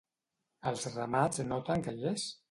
Els ramats noten que hi és?